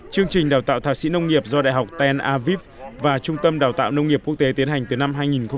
chương trình đào tạo thạc sĩ nông nghiệp do đại học ten aviv và trung tâm đào tạo nông nghiệp quốc tế tiến hành từ năm hai nghìn một mươi